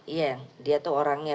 iya dia tuh orangnya